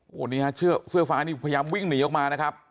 โอ้โหนี่ฮะเสื้อฟ้านี่พยายามวิ่งหนีออกมานะครับ